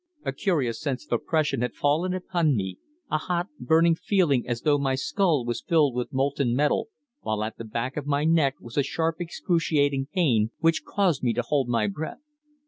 A curious sense of oppression had fallen upon me, a hot, burning feeling as though my skull was filled with molten metal, while at the back of my neck was a sharp excruciating pain which caused me to hold my breath.